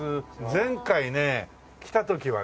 前回ね来た時はね